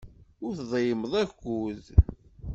Ur tḍeyyɛemt akud.